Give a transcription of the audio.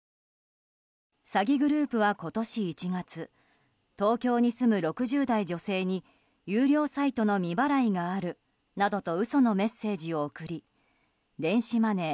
詐欺グループは今年１月東京に住む６０代女性に有料サイトの未払いがあるなどと嘘のメッセージを送り電子マネー